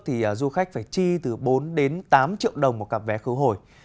thì du khách phải chi từ bốn đến tám triệu đồng một cặp vé khứ hồi